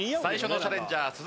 最初のチャレンジャー